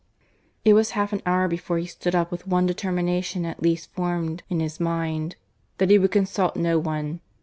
It was half an hour before he stood up, with one determination at least formed in his mind that he would consult no one.